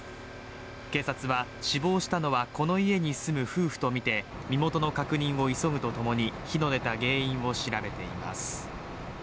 警察は、死亡したのはこの家に住む夫婦とみて、身元の確認を急ぐとともに、火の出た原因を調べています。